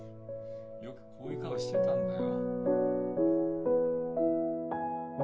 よくこういう顔してたんだよ。